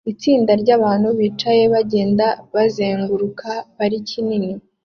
Itsinda ryabantu bicaye bagenda bazenguruka parike nini